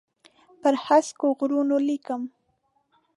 پر هسکو غرونو لیکم